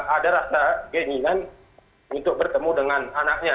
ada rasa keinginan untuk bertemu dengan anaknya